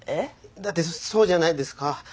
だってそうじゃないですか。